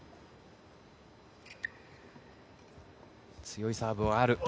強いサーブもある。